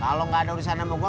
kalau gak ada urusan emang gue